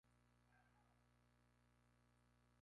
Ella y Guillermo de Boulogne no tuvieron hijos.